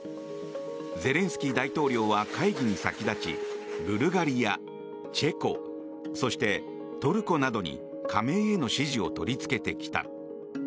ゼレンスキー大統領は会議に先立ちブルガリア、チェコそしてトルコなどに加盟への支持を取りつけてきた。